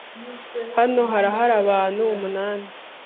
Hano harahari abantu umunani.